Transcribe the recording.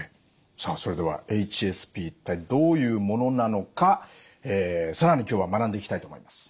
さあそれではＨＳＰ一体どういうものなのか更に今日は学んでいきたいと思います。